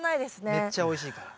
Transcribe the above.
めっちゃおいしいから。